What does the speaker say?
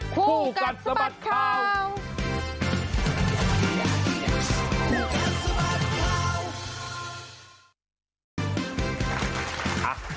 คู่กันสบัดข่าวคู่กันสบัดข่าว